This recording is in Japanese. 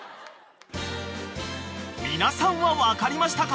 ［皆さんは分かりましたか？